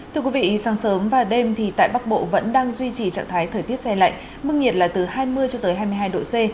thưa quý vị sáng sớm và đêm thì tại bắc bộ vẫn đang duy trì trạng thái thời tiết xe lạnh mức nhiệt là từ hai mươi cho tới hai mươi hai độ c